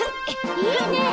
いいね！